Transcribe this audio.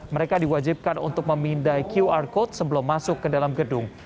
mereka diwajibkan untuk memindai qr code sebelum masuk ke dalam gedung